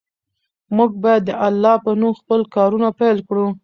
موږ باید د الله په نوم خپل کارونه پیل کړو.